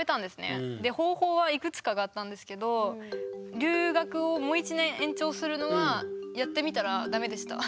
で方法はいくつかがあったんですけど留学をもう１年延長するのはやってみたら駄目でした。